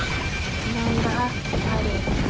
なんだあれ。